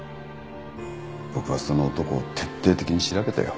僕はその男を徹底的に調べたよ。